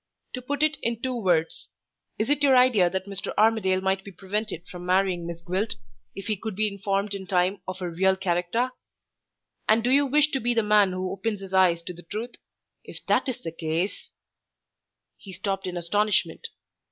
To put it in two words. Is it your idea that Mr. Armadale might be prevented from marrying Miss Gwilt, if he could be informed in time of her real character? And do you wish to be the man who opens his eyes to the truth? If that is the case " He stopped in astonishment.